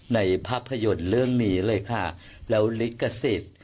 ในภาพยนตร์เรื่องนี้เลยค่ะแล้วลิขสิทธิ์